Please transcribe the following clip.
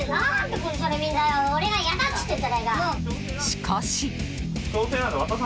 しかし。